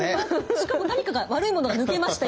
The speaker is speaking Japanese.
しかも何かが悪いものが抜けました